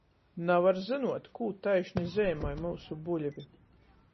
Navar zynuot, kū taišni zeimoj myusu buļvi...